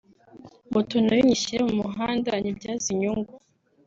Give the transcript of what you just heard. moto nayo nyishyire mu muhanda nyibyaze inyungu”